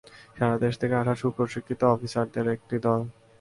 সারাদেশ থেকে আসা সুপ্রশিক্ষিত অফিসারদের একটি দল।